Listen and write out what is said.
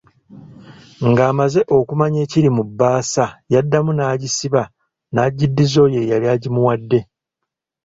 Ng’amaze okumanya ekiri mu bbaasa yaddamu n'agisiba n'agiddiza oyo eyali agimuwadde.